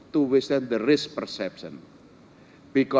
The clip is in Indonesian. tentu saja untuk mengurangi persepsi risiko